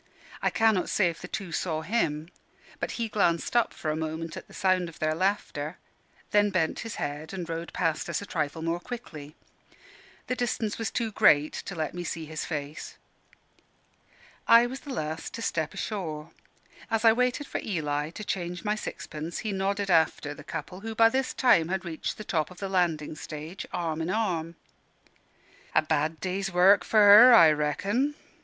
I cannot say if the two saw him: but he glanced up for a moment at the sound of their laughter, then bent his head and rowed past us a trifle more quickly. The distance was too great to let me see his face. I was the last to step ashore. As I waited for Eli to change my sixpence, he nodded after the couple, who by this time had reached the top of the landing stage, arm in arm. "A bad day's work for her, I reckon."